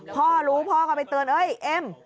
พ่อรู้พ่อก็ไปเตือนเอ้ยเอ็ม